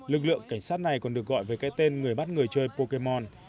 lực lượng cảnh sát này còn được gọi về cái tên người bắt người chơi pokemon